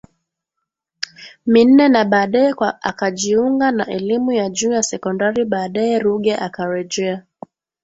minne na baadae kwa akaujiunga na elimu ya juu ya sekondari Baadae Ruge akarejea